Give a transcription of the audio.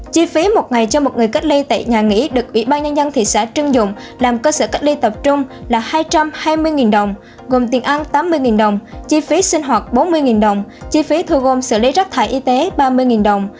chi phí một ngày cho một người cách ly tại nhà nghỉ được ủy ban nhân dân thị xã trưng dụng làm cơ sở cách ly tập trung là hai trăm hai mươi đồng gồm tiền ăn tám mươi đồng chi phí sinh hoạt bốn mươi đồng chi phí thu gom xử lý rác thải y tế ba mươi đồng